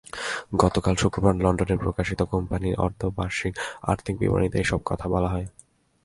গতকাল শুক্রবার লন্ডনে প্রকাশিত কোম্পানির অর্ধবার্ষিক আর্থিক বিবরণীতে এসব কথা বলা হয়।